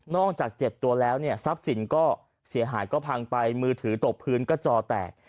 จากเจ็บตัวแล้วเนี่ยทรัพย์สินก็เสียหายก็พังไปมือถือตกพื้นก็จอแตก